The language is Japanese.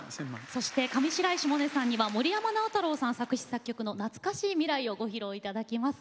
そして上白石萌音さんには森山直太朗さん作詞・作曲の「懐かしい未来」をご披露いただきます。